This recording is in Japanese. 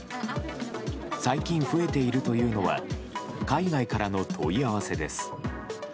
最近増えているというのは海外からの問い合わせです。